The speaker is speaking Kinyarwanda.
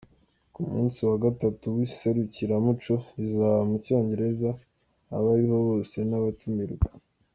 Ku munsi wa gatatu w’iserukiramuco rizaba mu Cyongereza abariho bose ni abatumirwa.